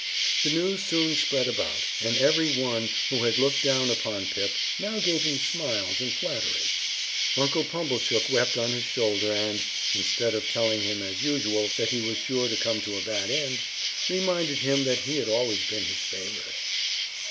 The news soon spread about, and every one who had looked down upon Pip now gave him smiles and flattery. Uncle Pumblechook wept on his shoulder and (instead of telling him, as usual, that he was sure to come to a bad end) reminded him that he had always been his favorite.